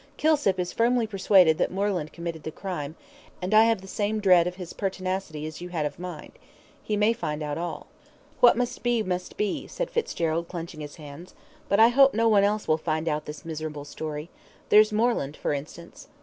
"Kilsip is firmly persuaded that Moreland committed the crime, and I have the same dread of his pertinacity as you had of mine. He may find out all." "What must be, must be," said Fitzgerald, clenching his hands. "But I hope no one else will find out this miserable story. There's Moreland, for instance."